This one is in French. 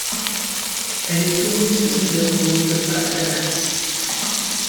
Elle est tournée sur Reeder Road à Dallas.